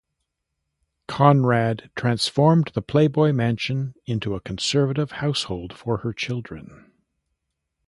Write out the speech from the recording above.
Conrad transformed the Playboy Mansion into a conservative household for her children.